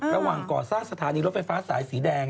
ระหว่างก่อสร้างสถานีรถไฟฟ้าสายสีแดง